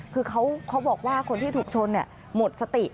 คือเขาบอกว่าคนที่ถูกชนหมดสติ